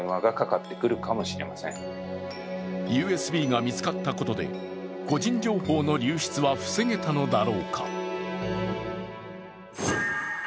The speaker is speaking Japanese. ＵＳＢが見つかったことで個人情報の流出は防げたのだろうか。